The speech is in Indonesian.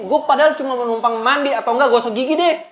gua padahal cuma menumpang mandi atau enggak gosok gigi deh